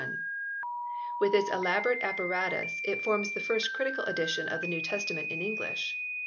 With its elaborate apparatus it forms the first critical edition of the New Testament in English.